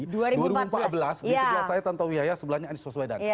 di sebelah saya t w hayah sebelahnya anies paswedan